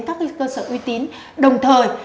các cơ sở uy tín đồng thời